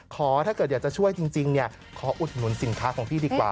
ถ้าเกิดอยากจะช่วยจริงขออุดหนุนสินค้าของพี่ดีกว่า